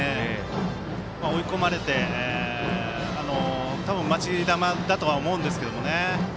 追い込まれて多分、待ち球だとは思うんですが。